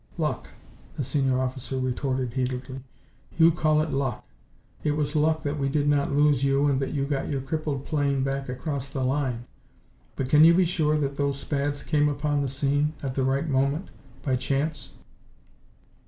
"Luck!" the senior officer retorted, heatedly. "You call it luck! It was luck that we did not lose you and that you got your crippled plane back across the line. But can you be sure that those Spads came upon the scene, at the right moment, by chance?"